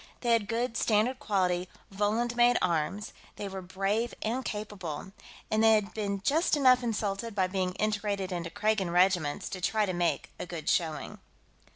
They had good, standard quality, Volund made arms; they were brave and capable; and they had been just enough insulted by being integrated into Kragan regiments to try to make a good showing.